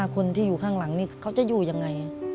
คนที่อยู่ข้างหลังนี่เขาจะอยู่ยังไง